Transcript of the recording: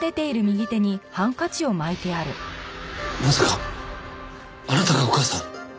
まさかあなたがお母さんを？